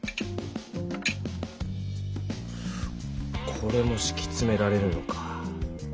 これもしきつめられるのか。